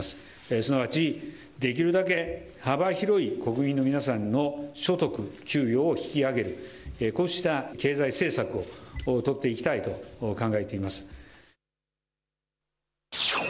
すなわちできるだけ幅広い国民の皆さんの所得、給与を引き上げる、こうした経済政策を取っていきたいと考えています。